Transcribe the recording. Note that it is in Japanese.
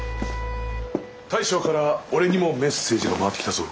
大将から俺にもメッセージが回ってきたぞ。